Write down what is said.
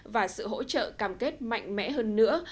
và sự hỗ trợ cam kết mạnh mẽ hơn nữa